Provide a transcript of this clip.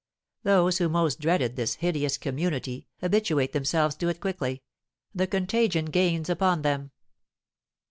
Those who most dreaded this hideous community habituate themselves to it quickly; the contagion gains upon them.